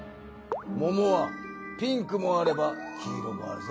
ももはピンクもあれば黄色もあるぞ。